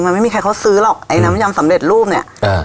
มันไม่มีใครเขาซื้อหรอกไอ้น้ำยำสำเร็จรูปเนี้ยอ่า